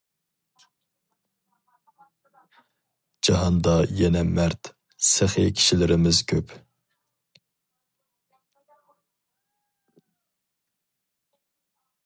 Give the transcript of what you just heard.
جاھاندا يەنە مەرد، سېخى كىشىلىرىمىز كۆپ!